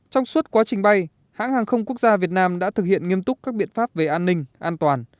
trong suốt quá trình bay hãng hàng không quốc gia việt nam đã thực hiện nghiêm túc các biện pháp về an ninh an toàn